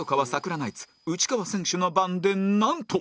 ナイツ内川選手の番でなんと